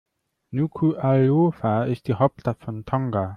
Nukuʻalofa ist die Hauptstadt von Tonga.